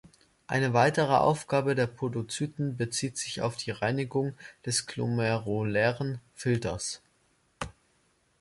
Eine weitere Aufgabe der Podozyten bezieht sich auf die Reinigung des glomerulären Filters.